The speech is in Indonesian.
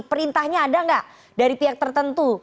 perintahnya ada nggak dari pihak tertentu